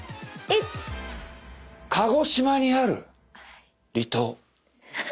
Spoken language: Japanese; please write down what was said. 鹿児島にある離島。